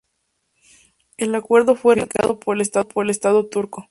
El acuerdo fue ratificado por el estado turco.